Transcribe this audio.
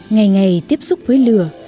ngày ngày tiếp xúc với lửa